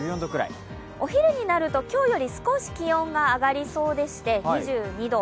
お昼になると今日より少し気温が上がりそうでして、２２度。